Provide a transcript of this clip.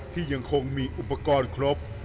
ยังคงมีอุปกรณ์ครบ